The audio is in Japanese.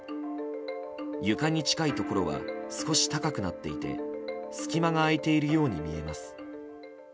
床に近いところは少し高くなっていて隙間が空いているように見えます。